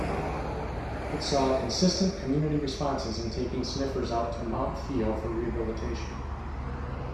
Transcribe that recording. It saw consistent community responses in taking sniffers out to Mount Theo for rehabilitation.